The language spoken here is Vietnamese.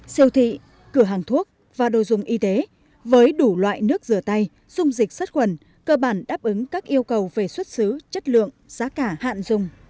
siêu thị cửa hàng thuốc và đồ dùng y tế với đủ loại nước rửa tay dung dịch sát khuẩn cơ bản đáp ứng các yêu cầu về xuất xứ chất lượng giá cả hạn dùng